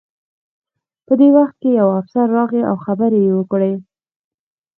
په دې وخت کې یو افسر راغی او خبرې یې وکړې